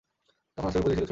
তখন আশ্রমের পরিধি ছিল ছোটো।